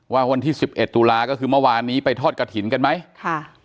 วันที่สิบเอ็ดตุลาก็คือเมื่อวานนี้ไปทอดกระถิ่นกันไหมค่ะ